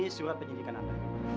ini surat penyelidikan anda